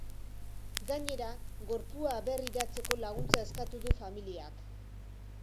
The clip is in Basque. Gainera, gorpua aberriratzeko laguntza eskatu du familiak.